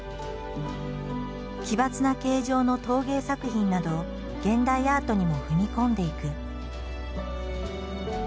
奇抜な形状の陶芸作品など現代アートにも踏み込んでいく。